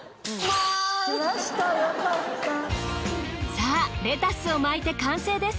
さぁレタスを巻いて完成です。